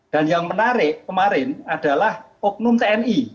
dan yang menarik kemarin adalah oknum tni